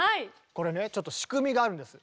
これねちょっと仕組みがあるんです。